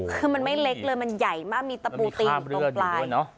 คือมันไม่เล็กเลยมันใหญ่มากมีตะปูตินตรงปลาย